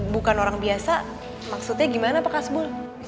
bukan orang biasa maksudnya gimana pak kasbul